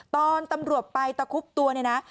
ตอนตำรวจไปตะคุบตัวเนี่ยนะ